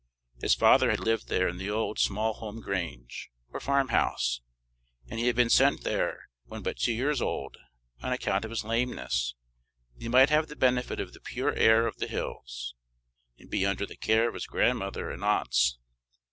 His father had lived there in the old Smallholm Grange, or farm house; and he had been sent there, when but two years old, on account of his lameness, that he might have the benefit of the pure air of the hills, and be under the care of his grandmother and aunts.